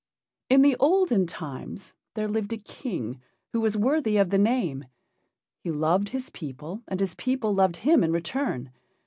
In the olden times there lived a king who was worthy of the name. He loved his people, and his people loved him in return.